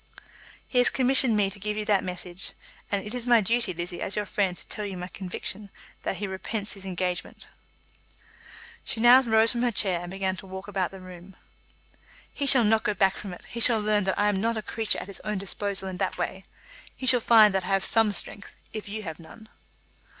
"He has commissioned me to give you that message; and it is my duty, Lizzie, as your friend, to tell you my conviction that he repents his engagement." She now rose from her chair and began to walk about the room. "He shall not go back from it. He shall learn that I am not a creature at his own disposal in that way. He shall find that I have some strength, if you have none."